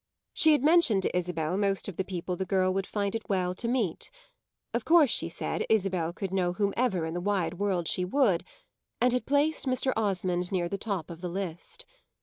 She had mentioned to Isabel most of the people the girl would find it well to "meet" of course, she said, Isabel could know whomever in the wide world she would and had placed Mr. Osmond near the top of the list.